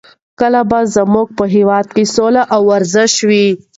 کله به زموږ په هېواد کې سوله او ورزش وي؟